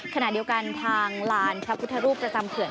ขณะเดียวกันทางลานพระพุทธรูปประจำเขื่อน